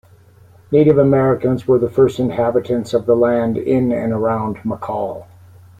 Native Americans were the first inhabitants of the land in and around McCall.